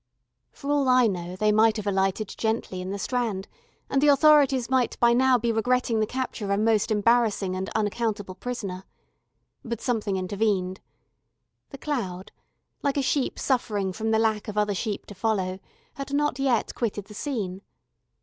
For all I know they might have alighted gently in the Strand, and the authorities might by now be regretting the capture of a most embarrassing and unaccountable prisoner. But something intervened. The cloud, like a sheep suffering from the lack of other sheep to follow, had not yet quitted the scene.